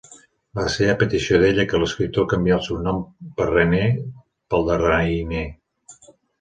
Va ser a petició d'ella que l'escriptor canvià el seu nom René pel de Rainer.